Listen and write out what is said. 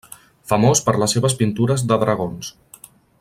Famós per les seves pintures de dragons.